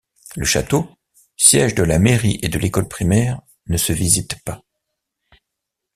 Le château, siège de la mairie et de l'école primaire, ne se visite pas.